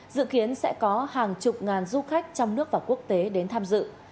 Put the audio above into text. dự kiến sẽ có hàng chục ngàn du khách trong nước và quốc tế đến tham dự